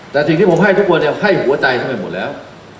แต่สิ่งที่ผมให้ทุกคนเนี่ยให้หัวใจท่านไปหมดแล้ว